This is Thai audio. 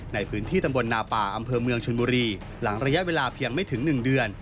ในพื้นที่ตำบลนาป่าอำเภอเมืองชนบุรีหลังระยะเวลาเพียงไม่ถึง๑เดือน